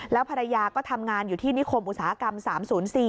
แล้วภรรยาก็ทำงานอยู่ที่นิคมอุตสาหกรรม๓๐๔